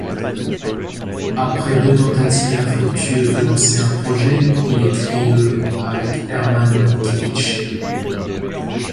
Après deux tentatives infructueuses de lancer un projet, il écrit le avec Herman Mankiewicz.